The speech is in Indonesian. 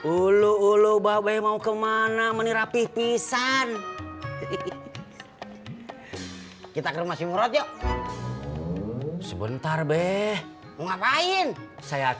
ulu ulu babai mau kemana menirapih pisan kita kemasin rojo sebentar be ngapain saya